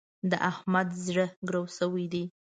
د احمد زړه ګرو شوی دی.